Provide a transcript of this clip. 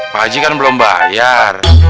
pakji kan belum bayar